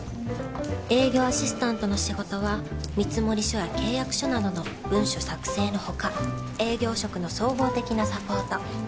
営業アシスタントの仕事は見積書や契約書などの文書作成の他営業職の総合的なサポート。